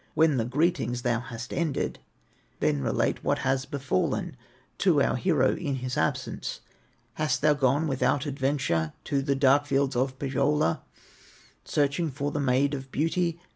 When thy greetings thou hast ended, Then relate what has befallen To our hero in his absence. Hast thou gone without adventure To the dark fields of Pohyola, Searching for the Maid of Beauty?